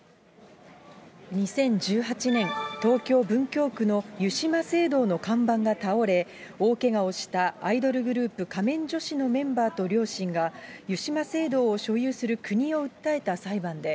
２０１８年、東京・文京区の湯島聖堂の看板が倒れ、大けがをしたアイドルグループ、仮面女子のメンバーと両親が、湯島聖堂を所有する国を訴えた裁判で、